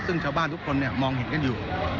ซึ่งชาวบ้านทุกคนมองเห็นกันอยู่